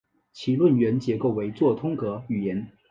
其论元结构为作通格语言。